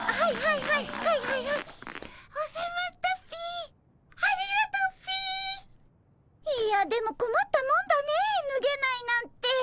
いやでもこまったもんだねえぬげないなんて。